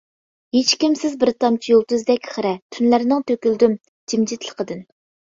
ھېچكىمسىز بىر تامچە يۇلتۇزدەك خىرە، تۈنلەرنىڭ تۆكۈلدۈم جىمجىتلىقىدىن.